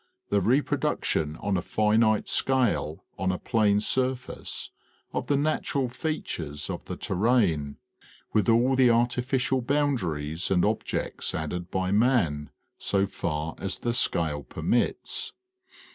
The reproduction on a finite scale on a plain surface, of the natural features of the terrain, with all the artificial boun daries and objects added by man, so far as the scale permits.